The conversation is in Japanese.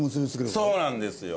そうなんですよ。